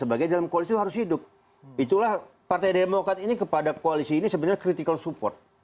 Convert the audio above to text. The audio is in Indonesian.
sebagainya koalisi harus hidup itulah partai demokrat ini kepada koalisi ini sebenarnya kritikal support